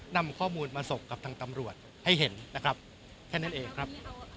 นำข้อมูลมาส่งกับทางตำรวจให้เห็นนะครับแค่นั้นเองครับ